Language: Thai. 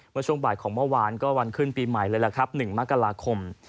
เมื่อช่วงบ่ายของเมื่อวานก็วันขึ้นปีใหม่เลยล่ะครับ๑มกราคม